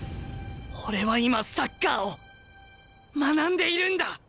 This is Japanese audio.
俺は今サッカーを学んでいるんだ！